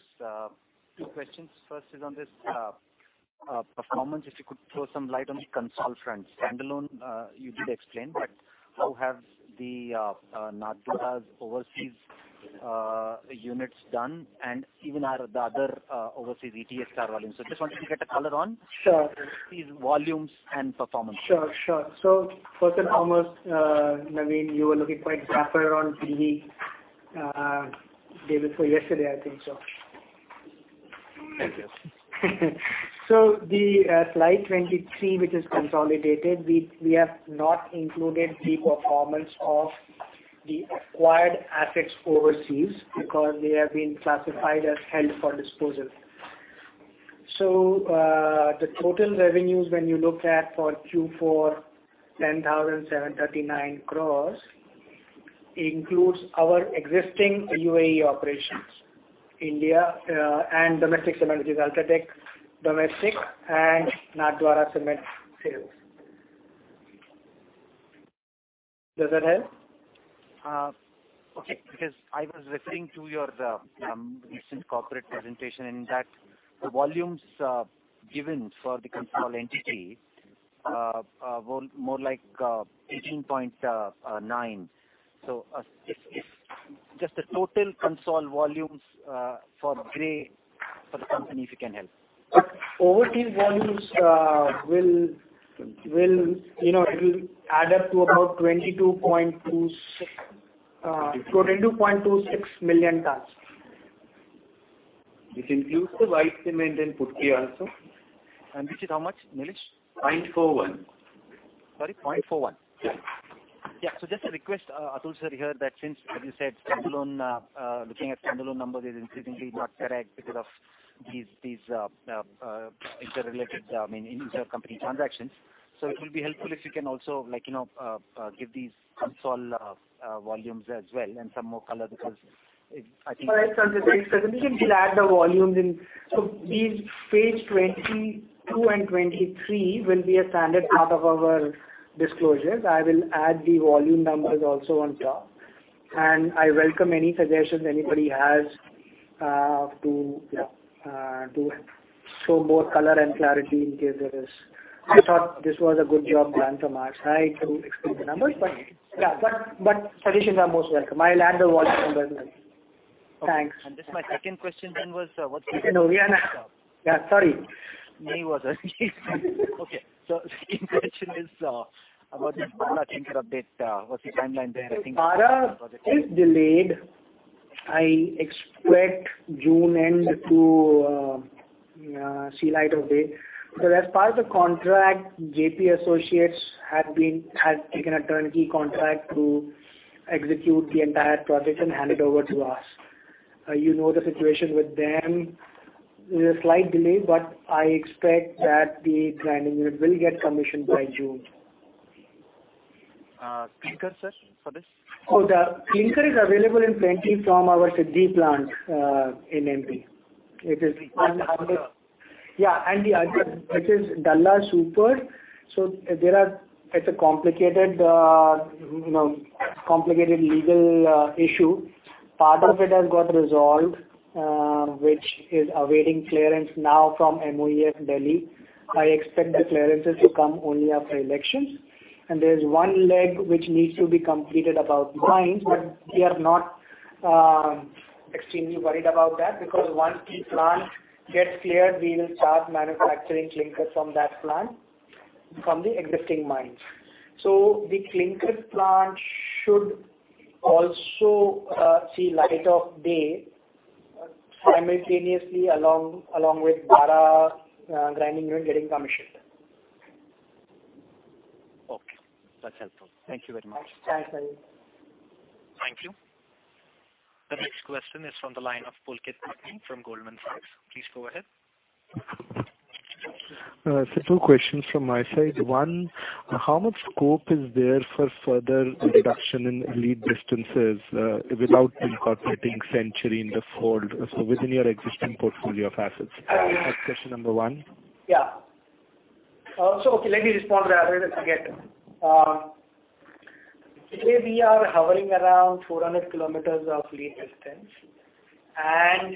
Two questions. First is on this performance, if you could throw some light on the consolidated front. Standalone you did explain, but how have the Nathdwara's overseas units done and even the other overseas Star Cement volumes. Just wanted to get a color on. Sure These volumes and performance. Sure. First on, Naveen, you were looking quite dapper on TV day before yesterday, I think so. Thank you. The Slide 23, which is consolidated, we have not included the performance of the acquired assets overseas because they have been classified as held for disposal. The total revenues, when you look at for Q4, 10,739 crores, includes our existing UAE operations, India, and domestic cement, which is UltraTech domestic and Nathdwara Cement sales. Does that help? I was referring to your recent corporate presentation, in that the volumes given for the consol entity, were more like 18.9. If just the total consol volumes for grey for the company, if you can help. Overseas volumes, it will add up to about 22.26 million tonnes. This includes the white cement in Putki also. Which is how much, Nilesh? 0.41. Sorry, 0.41? Yeah. Yeah. Just a request, Atul sir, here that since, as you said, looking at standalone numbers is increasingly not correct because of these interrelated intercompany transactions. It will be helpful if you can also give these consol volumes as well and some more color. All right, sounds a great suggestion. We'll add the volumes in. These Page 22 and 23 will be a standard part of our disclosures. I will add the volume numbers also on top, and I welcome any suggestions anybody has to show more color and clarity in case there is. I thought this was a good job done from our side to explain the numbers. Suggestions are most welcome. I'll add the volumes as well. Thanks. Just my second question then was. Yeah, sorry. Me was asking. Okay. Second question is about this Dalla clinker update. What's the timeline there? Dalla is delayed. I expect June end to see light of day. As part of the contract, Jaiprakash Associates had taken a turnkey contract to execute the entire project and hand it over to us. You know the situation with them. There's a slight delay, but I expect that the grinding unit will get commissioned by June. Clinker, sir, for this? The clinker is available in plenty from our Sidhi plant, in MP. MP. Yeah, the other, which is Dalla Super. It's a complicated legal issue. Part of it has got resolved, which is awaiting clearance now from MOEF, Delhi. I expect the clearances to come only after elections. There's one leg which needs to be completed about mines, but we are not extremely worried about that, because once the plant gets cleared, we will start manufacturing clinker from that plant from the existing mines. The clinker plant should also see light of day simultaneously along with Bara grinding unit getting commissioned. Okay. That's helpful. Thank you very much. Thanks, Naveen. Thank you. The next question is from the line of Pulkit Patni from Goldman Sachs. Please go ahead. Sir, two questions from my side. One, how much scope is there for further reduction in lead distances without incorporating Century into fold, so within your existing portfolio of assets? That's question number one. Yeah. Okay, let me respond to the other, then I forget. Today we are hovering around 400 kilometers of lead distance, and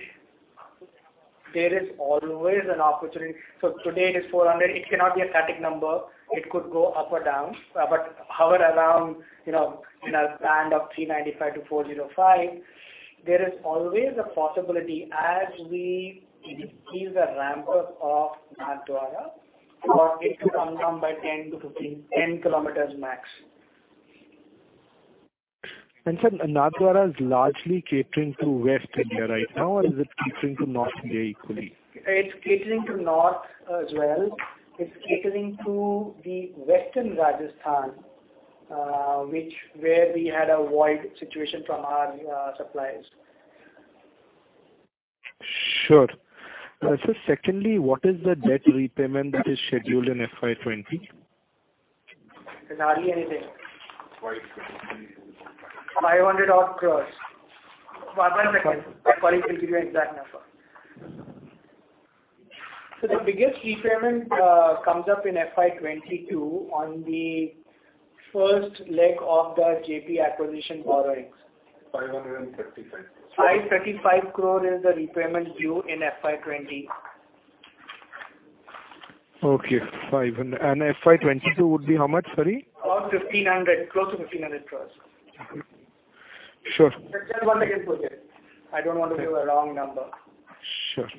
there is always an opportunity. Today it is 400. It cannot be a static number. It could go up or down. Hover around in a band of 395-405. There is always a possibility as we increase the ramp up of Nathdwara for it to come down by 10-15, 10 kilometers max. sir, Nathdwara is largely catering to West India right now, or is it catering to North India equally? It's catering to North as well. It's catering to the Western Rajasthan, where we had a void situation from our suppliers. Sure. Sir, secondly, what is the debt repayment that is scheduled in FY 2020? There's hardly anything. 500 odd crores. One second. Atul Daga will give you exact number. The biggest repayment comes up in FY22 on the first leg of the JP acquisition borrowings. 535. 535 crore is the repayment due in FY20. Okay, 500. FY22 would be how much, sorry? About 1,500, close to 1,500 crore. Sure. Just one second, Pulkit. I don't want to give a wrong number. Sure.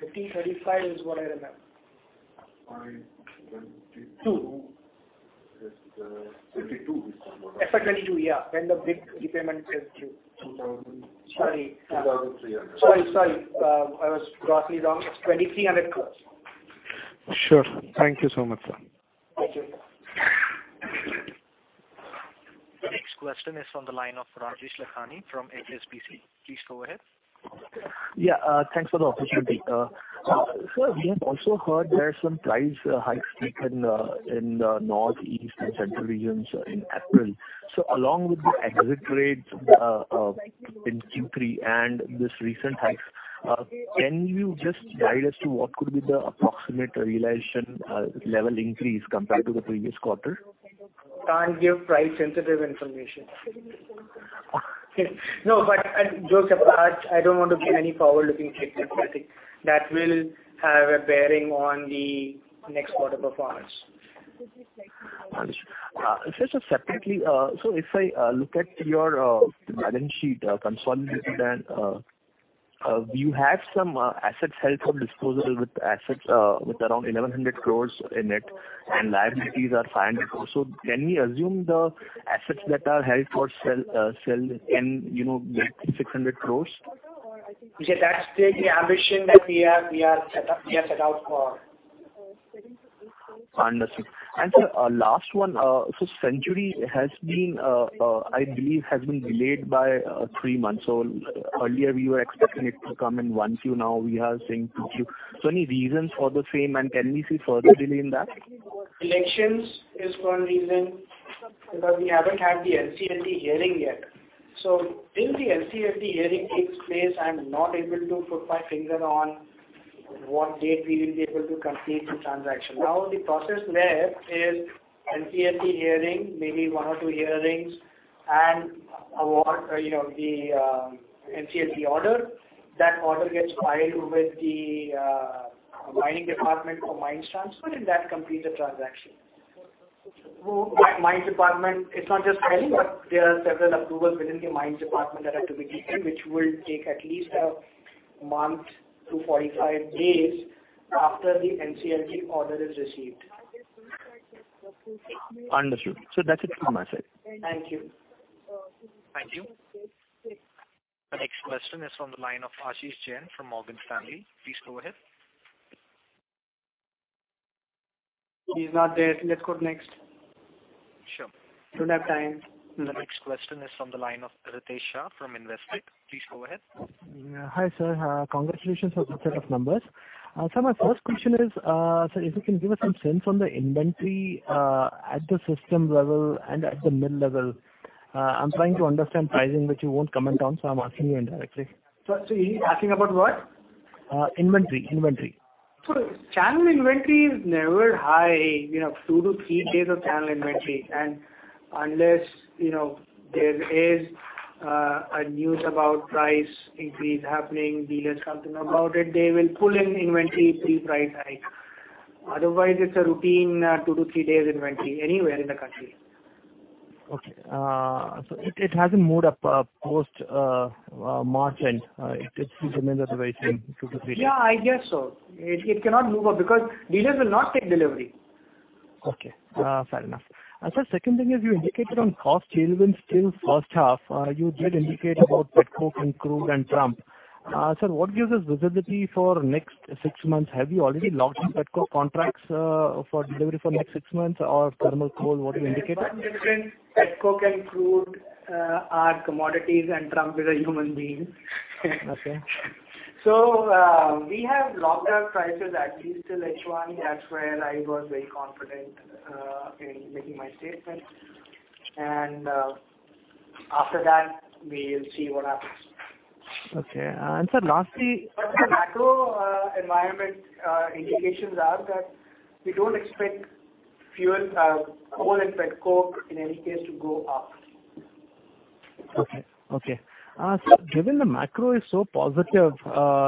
1,535 is what I remember. FY22. FY 2022, yeah. When the big repayment is due. 2,000. Sorry. 2,300. Sorry. I was grossly wrong. It's 2,300 crores. Sure. Thank you so much, sir. Thank you. The next question is on the line of Rajesh Lachhani from HSBC. Please go ahead. Yeah, thanks for the opportunity. Sir, we have also heard there are some price hikes taken in the north, east, and central regions in April. Along with the exit rates in Q3 and this recent hike, can you just guide us to what could be the approximate realization level increase compared to the previous quarter? Can't give price sensitive information. Okay. Joke apart, I don't want to give any forward-looking statements. I think that will have a bearing on the next quarter performance. Understood. Sir, separately, if I look at your balance sheet consolidated and you have some assets held for disposal with assets with around 1,100 crore in it and liabilities are 500 crore. Can we assume the assets that are held for sale can be 600 crore? That's the ambition that we have set out for. Understood. Sir, last one. Century, I believe, has been delayed by three months. Earlier we were expecting it to come in 1Q. Now we are saying 2Q. Any reasons for the same, and can we see further delay in that? Elections is one reason because we haven't had the NCLT hearing yet. Till the NCLT hearing takes place, I'm not able to put my finger on what date we will be able to complete the transaction. Now the process left is NCLT hearing, maybe one or two hearings, and award the NCLT order. That order gets filed with the mining department for mines transfer, and that completes the transaction. Mines department, it's not just filing, but there are several approvals within the mines department that are to be taken, which will take at least a month to 45 days after the NCLT order is received. Understood. That's it from my side. Thank you. Thank you. The next question is from the line of Ashish Jain from Morgan Stanley. Please go ahead. He's not there. Let's go to next. Sure. Don't have time. The next question is from the line of Ritesh Shah from Investec. Please go ahead. Hi, sir. Congratulations on the set of numbers. Sir, my first question is, sir, if you can give us some sense on the inventory, at the system level and at the mill level. I'm trying to understand pricing, which you won't comment on, so I'm asking you indirectly. Sir, you're asking about what? Inventory. Sir, channel inventory is never high, two to three days of channel inventory. Unless there is a news about price increase happening, dealers come to know about it, they will pull in inventory pre-price hike. Otherwise, it's a routine two to three days inventory anywhere in the country. Okay. It hasn't moved up post March-end. It remains the very same two to three. Yeah, I guess so. It cannot move up because dealers will not take delivery. Okay. Fair enough. Sir, second thing is you indicated on cost tailwind still first half, you did indicate about pet coke and crude and Trump. Sir, what gives us visibility for next 6 months? Have you already locked in pet coke contracts for delivery for next 6 months or thermal coal? What have you indicated? Pet coke and crude are commodities, and Trump is a human being. Okay. We have locked our prices at least till H1. That's where I was very confident in making my statement. After that, we'll see what happens. Okay. Sir, lastly. The macro environment indications are that we don't expect coal and pet coke, in any case, to go up. Okay. Sir, given the macro is so positive,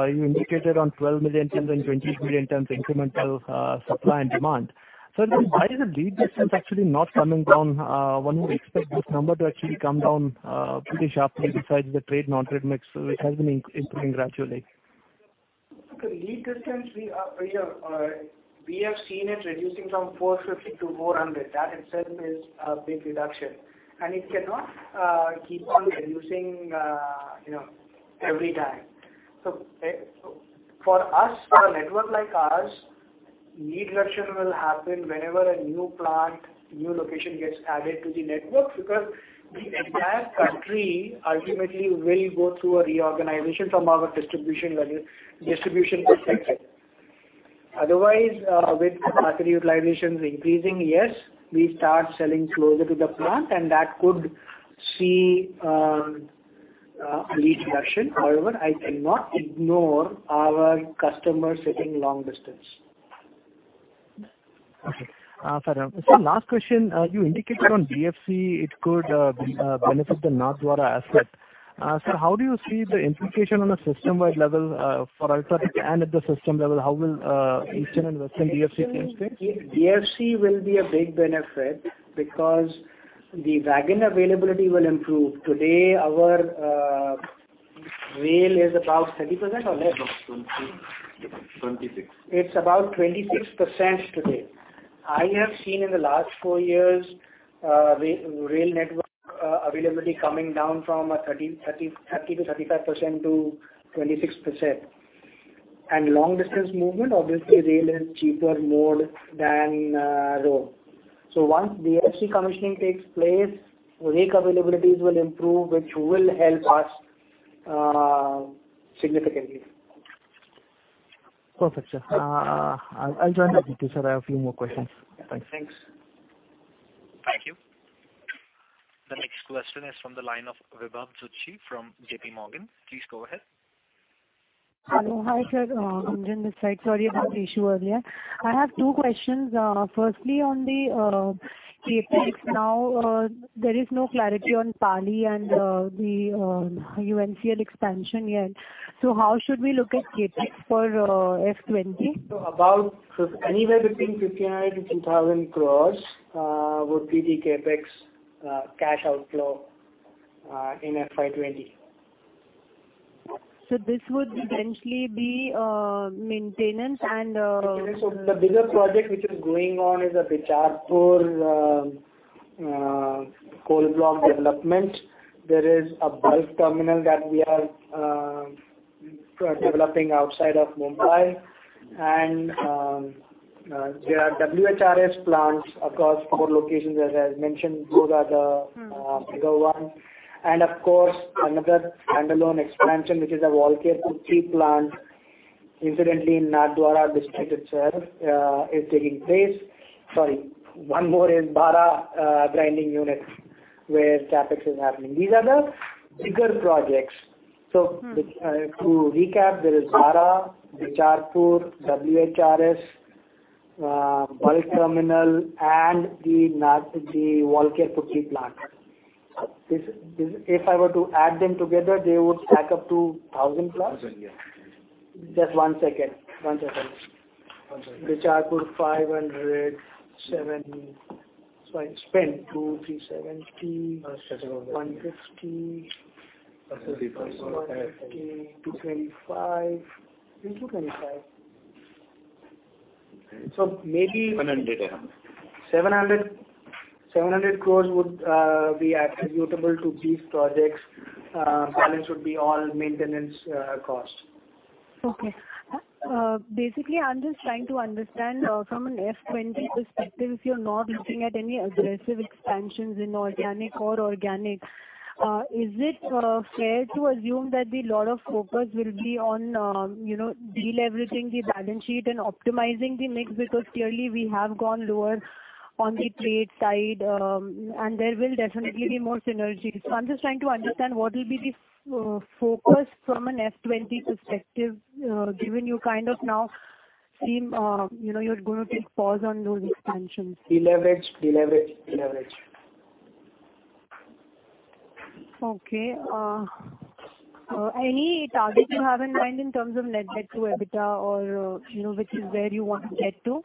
you indicated on 12 million tons and 20 million tons incremental supply and demand. Sir, why is the lead distance actually not coming down? One would expect this number to actually come down pretty sharply besides the trade non-trade mix, it has been improving gradually. lead distance, we have seen it reducing from 450 to 400. That itself is a big reduction, and it cannot keep on reducing every time. For a network like ours, lead reduction will happen whenever a new plant, new location gets added to the network because the entire country ultimately will go through a reorganization from our distribution perspective. Otherwise, with capacity utilizations increasing, yes, we start selling closer to the plant, and that could see a lead reduction. However, I cannot ignore our customers sitting long distance. Okay. Fair enough. Sir, last question. You indicated on DFC, it could benefit the Nathdwara asset. Sir, how do you see the implication on a system-wide level for UltraTech and at the system level, how will eastern and western DFC change things? DFC will be a big benefit because the wagon availability will improve. Today, our rail is about 30% or less? About 26. It's about 26% today. I have seen in the last four years, rail network availability coming down from 30%-35% to 26%. Long distance movement, obviously rail is cheaper mode than road. Once DFC commissioning takes place, rake availabilities will improve, which will help us significantly. Perfect, sir. I'll join the queue, sir. I have a few more questions. Thanks. Thanks. Thank you. The next question is from the line of Anuj from UBS. Please go ahead. Hello. Hi, sir. Anuj, this side. Sorry about the issue earlier. I have two questions. Firstly, on the CapEx now, there is no clarity on Dalla and the UNCL expansion yet. How should we look at CapEx for FY 2020? Anywhere between 1,500 crore-2,000 crore would be the CapEx cash outflow in FY 2020. This would eventually be maintenance. The bigger project which is going on is the Bichhapur coal block development. There is a bulk terminal that we are developing outside of Mumbai. There are WHRS plants across four locations, as I mentioned. Those are the bigger ones. Of course, another standalone expansion, which is a Walkeri Kuti plant, incidentally in Nathdwara district itself is taking place. Sorry, one more is Bara grinding unit where CapEx is happening. These are the bigger projects. To recap, there is Bara, Bichhapur, WHRS, bulk terminal, and the Walkeri Kuti plant. If I were to add them together, they would stack up to 1,000 plus. 1,000, yeah. Just one second. Bichhapur 500, 70. Sorry, spend. 2,370. 150. 150. 225. Think 225. 700. 700 crores would be attributable to these projects. Balance would be all maintenance costs. Okay. Basically, I'm just trying to understand from an FY 2020 perspective, you're not looking at any aggressive expansions inorganic or organic. Is it fair to assume that a lot of focus will be on de-leveraging the balance sheet and optimizing the mix? Clearly we have gone lower on the trade side, and there will definitely be more synergies. I'm just trying to understand what will be the focus from an FY 2020 perspective, given you kind of now seem you're going to take pause on those expansions. De-leverage. Okay. Any target you have in mind in terms of net debt to EBITDA or which is where you want to get to?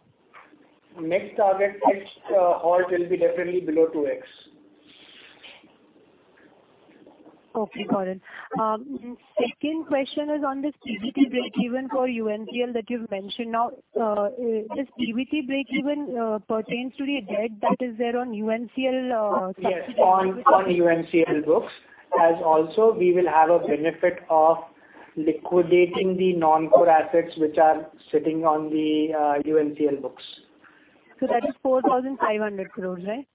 Next target, next halt will be definitely below 2x. Okay, got it. Second question is on this PBT breakeven for UNCL that you've mentioned now. This PBT breakeven pertains to the debt that is there on UNCL subsidiary? Yes. On UNCL books. Also, we will have a benefit of liquidating the non-core assets which are sitting on the UNCL books. That is 4,500 crores, right?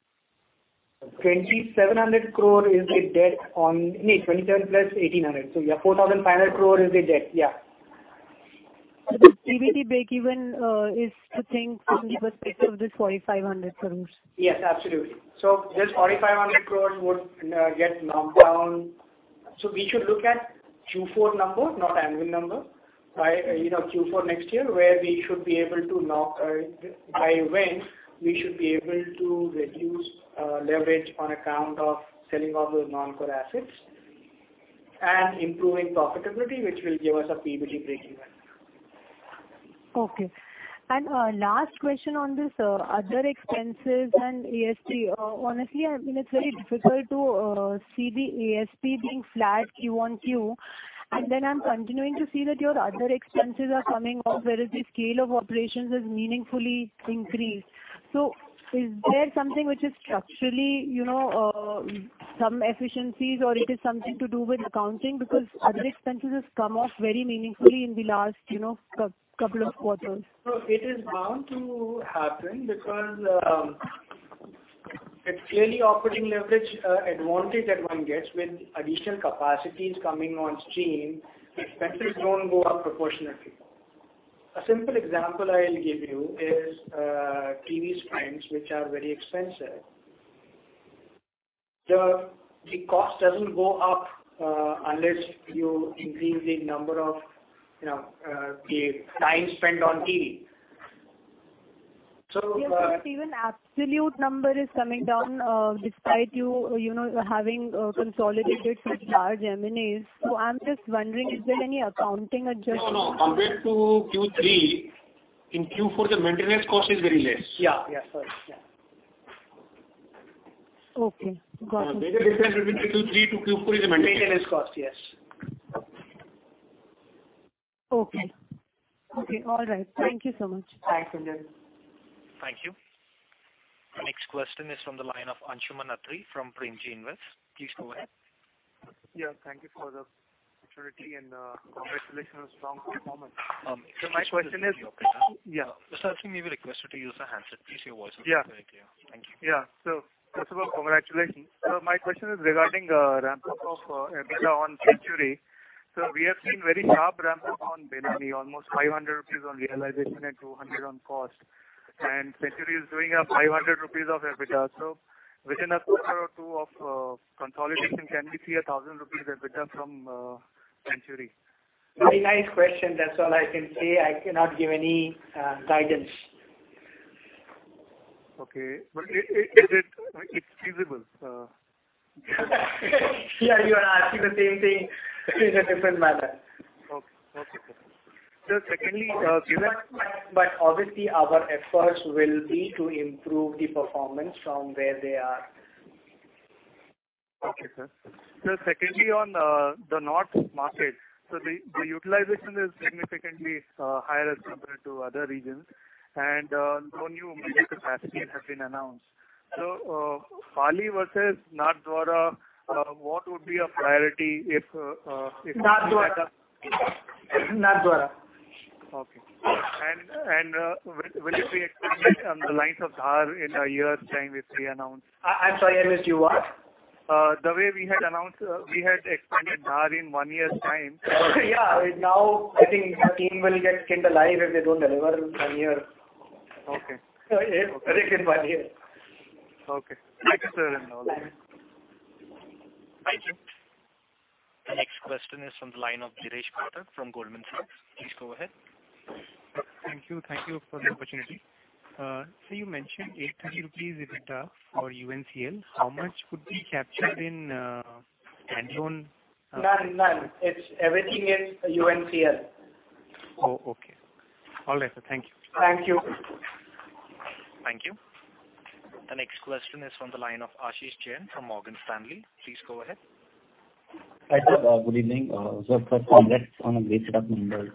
2,700 crore is the debt on No, 27 plus 1,800. Yeah, INR 4,500 crore is the debt. Yeah. The PBT breakeven is to think in the perspective of this 4,500 crore? Yes, absolutely. This 4,500 crore would get knocked down. We should look at Q4 numbers, not annual number. Q4 next year, where by when, we should be able to reduce leverage on account of selling off those non-core assets and improving profitability, which will give us a PBT breakeven. Okay. Last question on this other expenses and ASP. Honestly, it's very difficult to see the ASP being flat Q-on-Q, and then I'm continuing to see that your other expenses are coming off, whereas the scale of operations has meaningfully increased. Is there something which is structurally some efficiencies or it is something to do with accounting? Other expenses has come off very meaningfully in the last couple of quarters. It is bound to happen because it's clearly operating leverage advantage that one gets with additional capacities coming on stream. Expenses don't go up proportionately. A simple example I'll give you is TV ads, which are very expensive. The cost doesn't go up unless you increase the number of the time spent on TV. Yes, even absolute number is coming down despite you having consolidated some large M&As. I'm just wondering, is there any accounting adjustment? No. Compared to Q3, in Q4, the maintenance cost is very less. Yeah. Okay, got it. The difference between Q3 to Q4 is the maintenance cost. Maintenance cost, yes. Okay. All right. Thank you so much. Thanks, Anuj. Thank you. The next question is from the line of Anshuman Atri from Premji Invest. Please go ahead. Yeah, thank you for the opportunity and congratulations on strong performance. My question is. Sir, can we request you to use a handset please? Your voice is not very clear. Thank you. Yeah. First of all, congratulations. My question is regarding ramp-up of EBITDA on Century. We are seeing very sharp ramp-up on Binani, almost 500 rupees on realization and 200 on cost, and Century is doing a 500 rupees of EBITDA. Within a quarter or two of consolidation, can we see a 1,000 rupees EBITDA from Century? Very nice question. That's all I can say. I cannot give any guidance. Okay. It's feasible? Yeah, you are asking the same thing in a different manner. Okay. Obviously, our efforts will be to improve the performance from where they are. Okay, sir. Secondly, on the north market. The utilization is significantly higher as compared to other regions, and no new mega capacities have been announced. Pali versus Nathdwara, what would be a priority if- Nathdwara. Okay. Will you be expanding on the lines of Dhar in a year's time if we announce? I'm sorry, I missed you. What? The way we had expanded Dhar in one year's time. Yeah. Now I think our team will get skinned alive if they don't deliver one year. Okay. In one year. Okay. Thank you, sir. Thank you. The next question is from the line of Girish Kacholia from Goldman Sachs. Please go ahead. Thank you. Thank you for the opportunity. Sir, you mentioned 830 rupees EBITDA for UNCL. How much could be captured in standalone? None. Everything is UNCL. Oh, okay. All right, sir. Thank you. Thank you. Thank you. The next question is from the line of Ashish Jain from Morgan Stanley. Please go ahead. Hi, good evening. First congrats on a great set of numbers.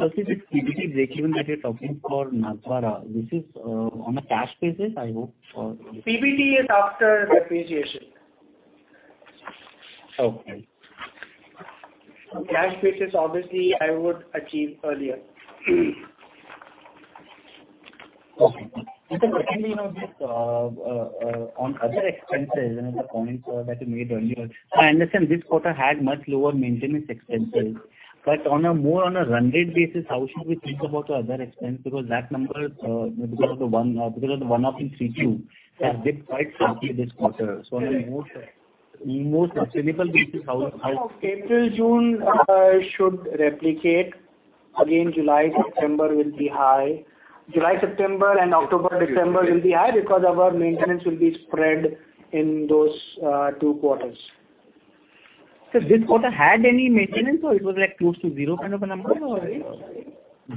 Firstly, this PBT breakeven that you're talking for Nathdwara, this is on a cash basis, I hope, or- PBT is after depreciation. Okay. Cash basis, obviously, I would achieve earlier. Okay. Secondly, on other expenses, another point that you made earlier. I understand this quarter had much lower maintenance expenses, but more on a run rate basis, how should we think about your other expense? That number, because of the one-off in Q3 has dipped quite sharply this quarter. On a more sustainable basis, how- April, June should replicate. Again July, September will be high. July, September and October, December will be high because our maintenance will be spread in those two quarters. Sir, this quarter had any maintenance or it was close to zero kind of a number?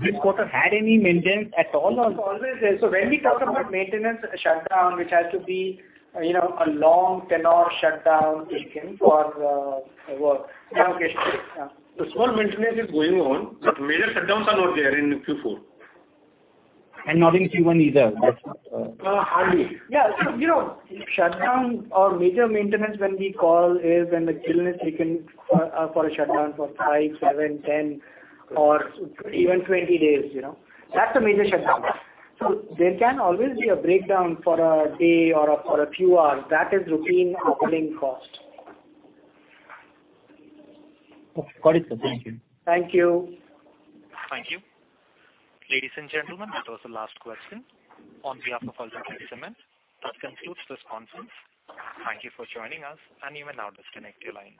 This quarter had any maintenance at all or- It's always there. When we talk about maintenance shutdown, which has to be a long tenure shutdown taken for work. The small maintenance is going on, major shutdowns are not there in Q4. Not in Q1 either. Hardly. Yeah. Shutdown or major maintenance when we call is when the kiln is taken for a shutdown for five, seven, 10 or even 20 days. That's a major shutdown. There can always be a breakdown for a day or for a few hours. That is routine operating cost. Got it, sir. Thank you. Thank you. Thank you. Ladies and gentlemen, that was the last question. On behalf of UltraTech Cement, that concludes this conference. Thank you for joining us, and you may now disconnect your line.